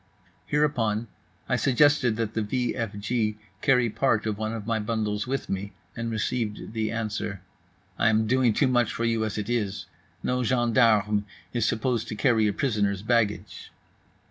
Hereupon I suggested that the v f g carry part of one of my bundles with me, and received the answer: "I am doing too much for you as it is. No gendarme is supposed to carry a prisoner's baggage."